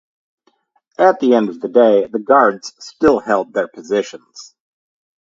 At the end of the day the Guards still held their positions.